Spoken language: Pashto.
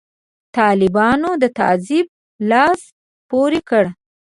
طالبانو د تعذیب لاس پورې کړ.